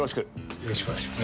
よろしくお願いします。